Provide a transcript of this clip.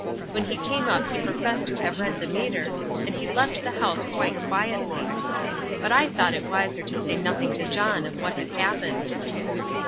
When he came up he professed to have read the meter and he left the house quite quietly. But I thought it wiser to say nothing to John of what had happened.